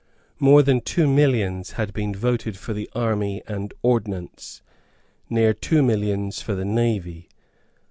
More than two millions had been voted for the army and ordnance, near two millions for the navy.